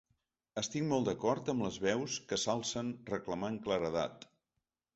Estic molt d’acord amb les veus que s’alcen reclamant claredat.